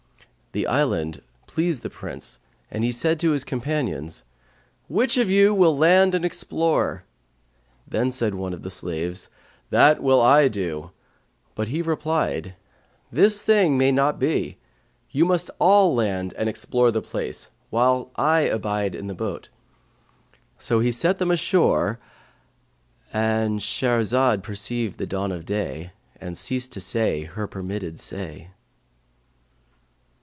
The island pleased the Prince and he said to his companions, 'Which of you will land and explore?' Then said one of the slaves, 'That will I do'; but he replied, 'This thing may not be; you must all land and explore the place while I abide in the boat.' So he set them ashore,"— And Shahrazad perceived the dawn of day and ceased to say her permitted say.